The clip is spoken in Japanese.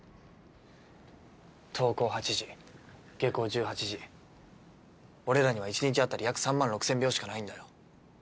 登校８時下校１８時俺らには１日あたり約３万６０００秒しかないんだよ